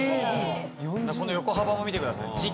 この横幅も見てください時期。